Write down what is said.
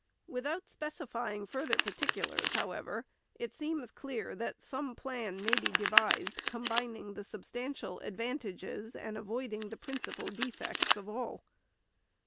Without specifying further particulars, however, it seems clear that some plan may be devised, combining the substantial advantages and avoiding the principal defects of all.